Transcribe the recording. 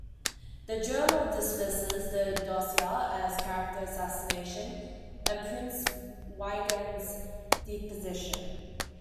The "Journal" dismisses the dossier as character assassination and prints Wigand's deposition.